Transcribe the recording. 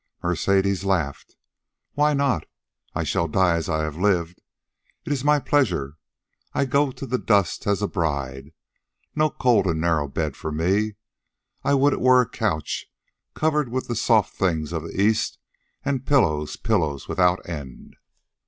Mercedes laughed. "Why not? I shall die as I have lived. It is my pleasure. I go to the dust as a bride. No cold and narrow bed for me. I would it were a coach, covered with the soft things of the East, and pillows, pillows, without end."